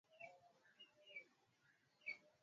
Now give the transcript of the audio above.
Barack Obama alipitia katika maisha ya Utoto na Ujana